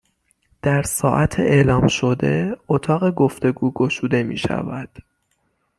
در ساعت اعلام شده، اتاق گفتوگو گشوده میشود